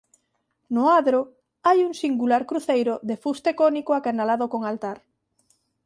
No adro hai un singular cruceiro de fuste cónico acanalado con altar.